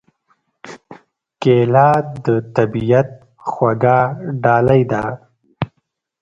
کېله د طبیعت خوږه ډالۍ ده.